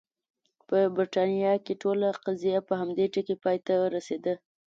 په برېټانیا کې ټوله قضیه په همدې ټکي پای ته رسېده.